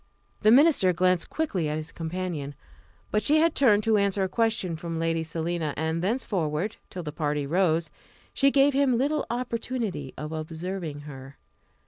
The minister glanced quickly at his companion. But she had turned to answer a question from Lady Selina, and thenceforward, till the party rose, she gave him little opportunity of observing her.